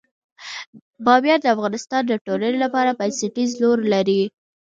بامیان د افغانستان د ټولنې لپاره بنسټيز رول لري.